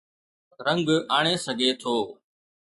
رنگ آڻي سگهي ٿو.